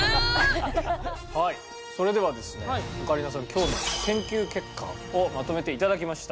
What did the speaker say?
今日の研究結果をまとめて頂きました。